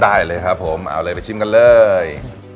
ได้เลยครับผมเอาเลยไปชิมกันเลย